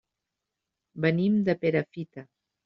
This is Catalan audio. Venim de Perafita.